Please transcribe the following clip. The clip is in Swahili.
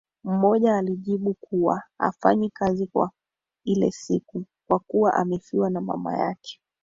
Mmoja alijibu kuwa hafanyi kazi kwa ile siku kwa kuwa amefiwa na mama yake